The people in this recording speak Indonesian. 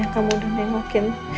kamu udah nengokin